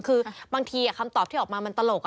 คือบางทีคำตอบที่ออกมามันตลก